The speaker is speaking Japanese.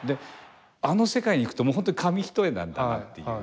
あの世界に行くと本当に紙一重なんだなっていう。